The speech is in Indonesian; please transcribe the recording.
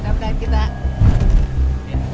sampai jumpa di telaga